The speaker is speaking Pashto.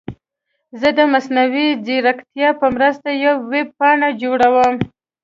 زه د مصنوعي ځیرکتیا په مرسته یوه ویب پاڼه جوړوم.